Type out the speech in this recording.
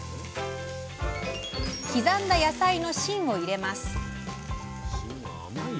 刻んだ野菜の芯を入れます。